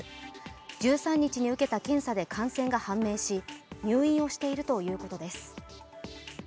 １３日に受けた検査で感染が判明し、入院をしているということです。